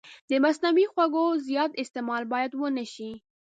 د مصنوعي خوږو زیات استعمال باید ونه شي.